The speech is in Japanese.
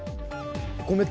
ごめん